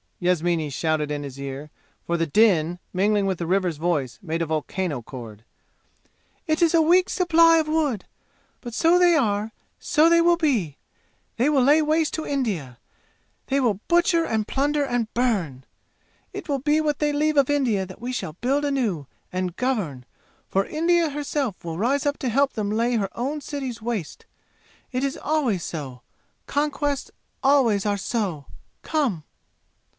Yasmini shouted in his ear; for the din, mingling with the river's voice, made a volcano chord. "It is a week's supply of wood! But so they are so they will be! They will lay waste India! They will butcher and plunder and burn! It will be what they leave of India that we shall build anew and govern, for India herself will rise to help them lay her own cities waste! It is always so! Conquests always are so! Come!"